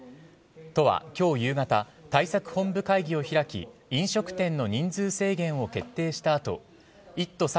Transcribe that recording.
都は今日夕方対策本部会議を開き飲食店の人数制限を決定した後１都